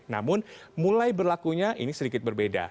namun mulai berlakunya ini sedikit berbeda